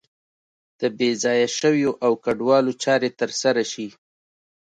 د بې ځایه شویو او کډوالو چارې تر سره شي.